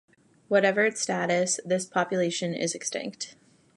Whatever its status, this population is extinct.